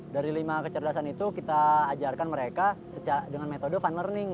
dari lima kecerdasan itu kita ajarkan mereka dengan metode fun learning